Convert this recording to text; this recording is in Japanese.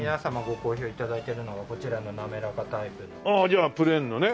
じゃあプレーンのね。